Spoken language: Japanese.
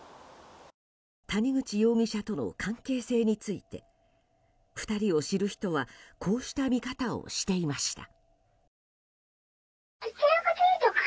谷口容疑者との関係性について２人を知る人はこうした見方をしていました。